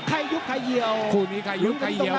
ยุบใครเหี่ยวคู่นี้ใครยุบใครเหี่ยว